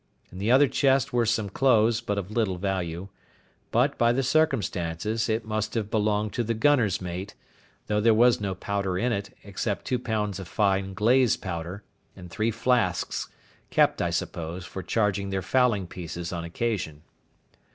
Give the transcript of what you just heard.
In the other chest were some clothes, but of little value; but, by the circumstances, it must have belonged to the gunner's mate; though there was no powder in it, except two pounds of fine glazed powder, in three flasks, kept, I suppose, for charging their fowling pieces on occasion.